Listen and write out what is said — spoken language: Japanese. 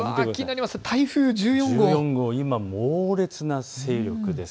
台風１４号、今、猛烈な勢力です。